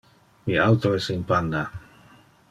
Mi auto es in panna.